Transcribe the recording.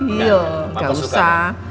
iya gak usah